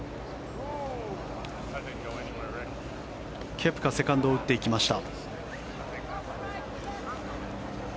ケプカ、セカンドを打っていきました。